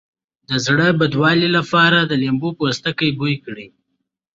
د زړه بدوالي لپاره د لیمو پوستکی بوی کړئ